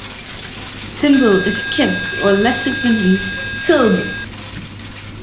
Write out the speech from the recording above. Its symbol is kip, or less frequently, klb.